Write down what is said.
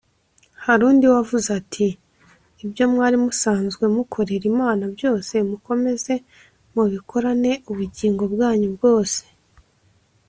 Hari undi wavuze ati ibyo mwari musanzwe mukorera Imana byose mukomeze mubikorane ubugingo bwanyu bwose